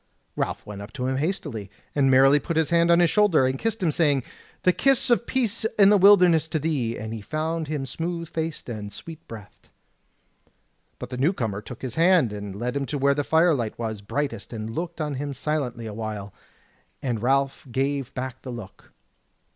Ralph went up to him hastily, and merrily put his hand on his shoulder, and kissed him, saying: "The kiss of peace in the wilderness to thee!" And he found him smooth faced and sweet breathed. But the new comer took his hand and led him to where the firelight was brightest and looked on him silently a while; and Ralph gave back the look.